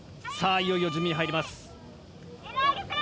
いよいよ準備に入ります。